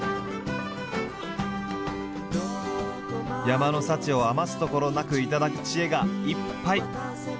山の幸を余すところなく頂く知恵がいっぱい！